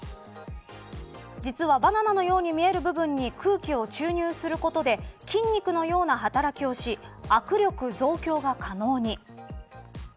実は、バナナのように見える部分に空気を注入することで筋肉のような働きをし握力増強が可能に。